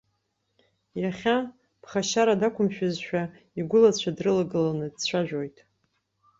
Иахьа, ԥхашьара дақәымшәаӡазшәа, игәылацәа дрылагыланы дцәажәоит.